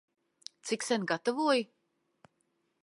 Cik sen gatavoji?